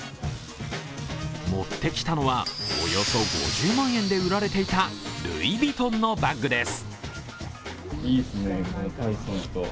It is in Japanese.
持ってきたのは、およそ５０万円で売られていたルイ・ヴィトンのバッグです。